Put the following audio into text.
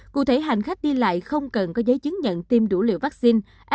cụ thể hành khách đi lại không cần có giấy chứng nhận tiêm đủ liều vaccine